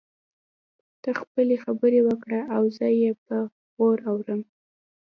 ته خپلې خبرې وکړه او زه يې په غور اورم.